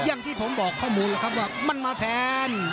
อย่างที่ผมบอกข้าวมูลว่ามันมาแทน